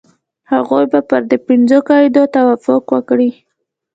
هغوی به پر دې پنځو قاعدو توافق وکړي.